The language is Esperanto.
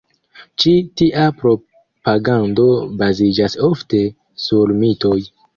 Ĉi tia propagando baziĝas ofte sur mitoj.